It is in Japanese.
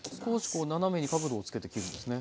少し斜めに角度をつけて切るんですね。